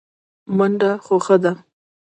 منډه خوښه ده.